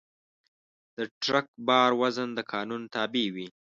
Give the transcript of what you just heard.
د ټرک بار وزن د قانون تابع وي.